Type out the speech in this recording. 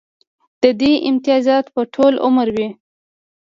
د دې امتیازات به ټول عمر وي